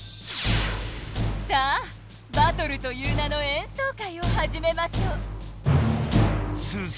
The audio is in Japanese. さあバトルという名のえんそう会をはじめましょう。